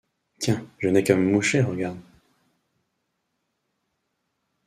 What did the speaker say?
Tiens! je n’ai qu’à me moucher, regarde !